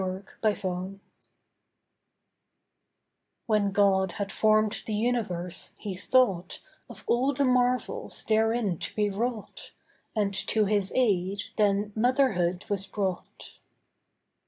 LORD, SPEAK AGAIN When God had formed the Universe, He thought Of all the marvels therein to be wrought And to His aid then Motherhood was brought.